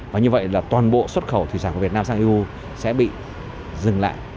và như vậy là toàn bộ xuất khẩu thủy sản của việt nam sang eu sẽ bị dừng lại